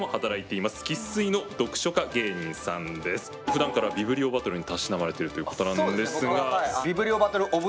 ふだんからビブリオバトルにたしなまれているということなんですが。